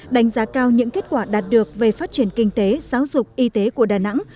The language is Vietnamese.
đánh giá cao những kết quả đạt được về phát triển kinh tế giáo dục y tế của đà nẵng